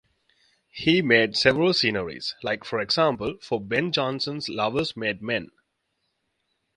He made several sceneries, like for example for Ben Jonson's Lovers Made Men.